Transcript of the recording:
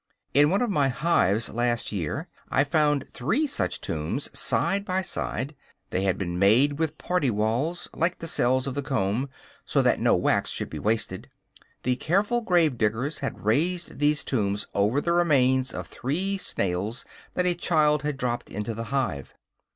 In one of my hives last year I found three such tombs side by side; they had been made with party walls, like the cells of the comb, so that no wax should be wasted. The careful grave diggers had raised these tombs over the remains of three snails that a child had dropped into the hive.